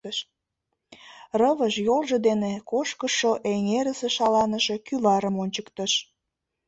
Рывыж йолжо дене кошкышо эҥерысе шаланыше кӱварым ончыктыш.